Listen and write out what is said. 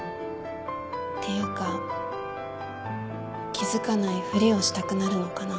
ていうか気付かないふりをしたくなるのかな